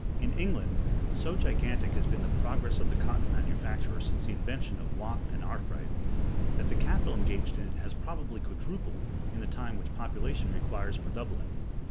[In England] so gigantic has been the progress of the cotton manufacture since the inventions of Watt and Arkwright, that the capital engaged in it has probably quadrupled in the time which population requires for doubling.